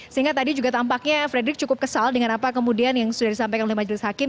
sehingga tadi juga tampaknya frederick cukup kesal dengan apa kemudian yang sudah disampaikan oleh majelis hakim